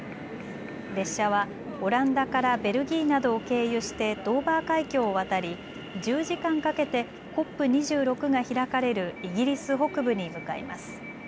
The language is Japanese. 列車はオランダからベルギーなどを経由してドーバー海峡を渡り１０時間かけてＣＯＰ２６が開かれるイギリス北部に向かいます。